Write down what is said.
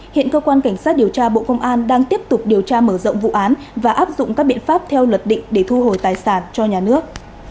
hiện cơ quan cảnh sát điều tra bộ công an đang tiếp tục điều tra mở rộng vụ án và áp dụng các biện pháp theo luật định để thu hồi tài sản cho nhà nước